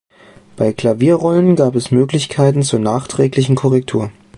Bei Klavierrollen gab es Möglichkeiten zur nachträglichen Korrektur.